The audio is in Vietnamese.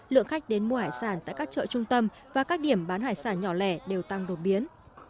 lượng khách đến mua hải sản tại các chợ trung tâm và các điểm bán hải sản nhỏ lẻ đều tăng đột biến